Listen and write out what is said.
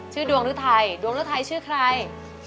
ชื่อดวงรุไทยดวงรุไทยชื่อใคร